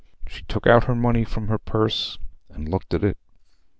She took out her money from her purse, and looked at it.